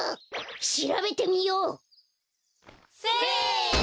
しらべてみよう！せの！